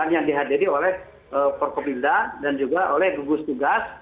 yang dihadiri oleh perkopimda dan juga oleh gugus tugas